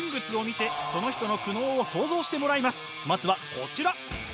まずはこちら！